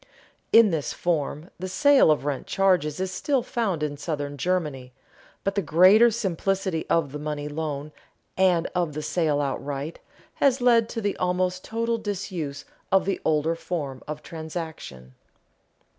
In this form, the sale of rent charges is still found in southern Germany, but the greater simplicity of the money loan, and of the sale outright, has led to the almost total disuse of the older form of transaction.